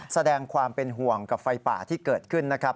แสดงความเป็นห่วงกับไฟป่าที่เกิดขึ้นนะครับ